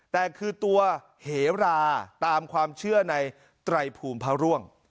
แต่คือตัวเหราตามความเชื่อในไตรภูมิพระร่วง